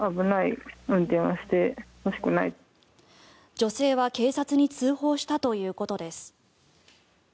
女性は警察に通報したということです。